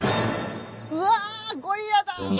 うわゴリラだ。